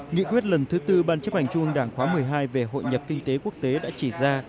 nghị quyết lần thứ tư ban chấp hành trung ương đảng khóa một mươi hai về hội nhập kinh tế quốc tế đã chỉ ra